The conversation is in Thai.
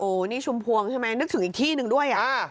โอ้โหนี่ชุมพวงใช่ไหมนึกถึงอีกที่หนึ่งด้วยอ่ะ